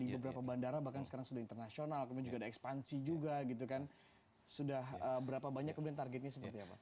di beberapa bandara bahkan sekarang sudah internasional kemudian juga ada ekspansi juga gitu kan sudah berapa banyak kemudian targetnya seperti apa